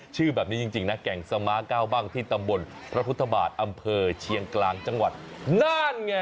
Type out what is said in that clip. ชื่อแบบนี้จริงนะแก่งสมาร์เก้าบ้างที่ตำบลพระพุทธบาทอำเภอเชียงกลางจังหวัดนั่นไง